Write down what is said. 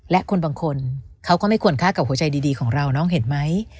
และคนบางคนเขาก็ไม่ควรฆ่ากับหัวใจดีของเราน้องเห็นไหม